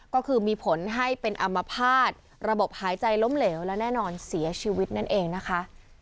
ก็คือมีผลให้เป็นอัมพาตระบบหายใจล้มเหลวและแน่นอนเสียชีวิตนั่นเองนะคะ